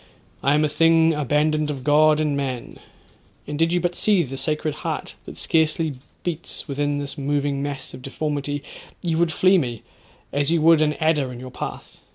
I am a thing abandoned of God and man—and did you but see the scared heart that scarcely beats within this moving mass of deformity, you would flee me, as you would an adder in your path.